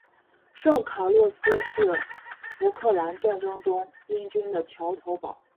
圣卡洛斯是福克兰战争中英军的桥头堡。